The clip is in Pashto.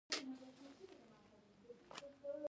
_که پولې ته وخېژې نو ښه به وي، لوند خيشت دې کړم.